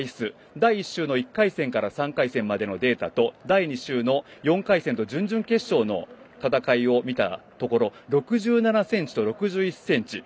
第１週の１回戦から３回戦までのデータと第２週の４回戦と準々決勝の戦いを見たところ６７ｃｍと６１ｃｍ。